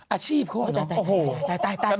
อาร์ชีพโคตรว่าเนาะโอ้โห